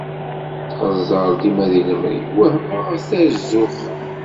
Txeẓẓer dima deg lemri. Wehmeɣ ata zzux.